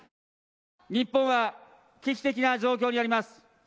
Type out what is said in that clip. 日本は危機的な状況にあります。